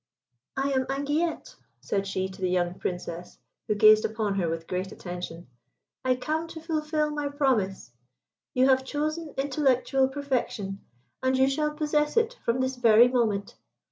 "I am Anguillette," said she to the young Princess, who gazed upon her with great attention; "I come to fulfil my promise. You have chosen intellectual perfection, and you shall possess it from this very moment.